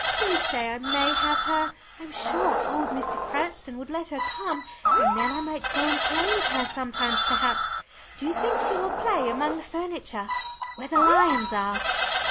Do say I may have her I'm sure old Mr. Cranston would let her come, and then I might go and play with her sometimes perhaps. Do you think she will play among the furniture where the lions are?"